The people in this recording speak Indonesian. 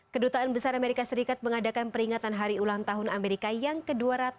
kedutaan besar amerika serikat mengadakan peringatan hari ulang tahun amerika yang ke dua ratus dua puluh